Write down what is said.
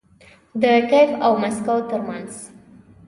د کیف او مسکو ترمنځ